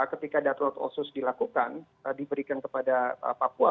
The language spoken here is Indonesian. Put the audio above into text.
ketika datorat otsus dilakukan diberikan kepada papua